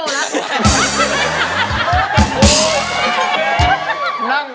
แล้วมันต่อ